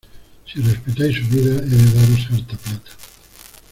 ¡ si respetáis su vida, he de daros harta plata!